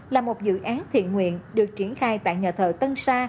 là một dự án thiện nguyện được triển khai tại nhà thờ tân sa